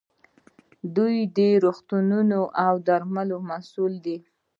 دوی د روغتونونو او درملو مسوول دي.